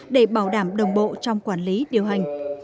để bảo đảm đồng bộ trong quản lý điều hành